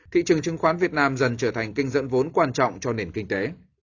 thị trường chứng khoán việt nam dần trở thành kênh dẫn vốn quan trọng cho nền kinh tế